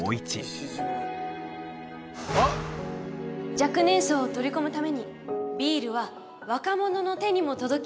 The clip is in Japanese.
若年層を取り込むためにビールは若者の手にも届きやすい。